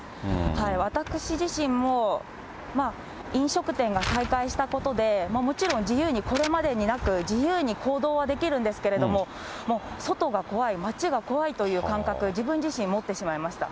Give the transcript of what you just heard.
私自身も飲食店が再開したことで、もちろん自由に、これまでになく自由に行動はできるんですけれども、外が怖い、街が怖いという感覚、自分自身持ってしまいました。